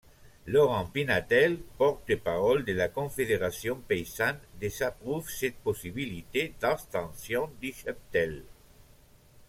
Laurent Pinatel, porte-parole de la Confédération paysanne, désapprouve cette possibilité d'extension du cheptel.